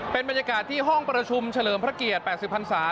เป็นบรรยากาศที่ห้องประชุมเฉลิมพระเกียรติ๘๐พันศา